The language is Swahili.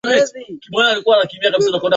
Amefanya haraka sana.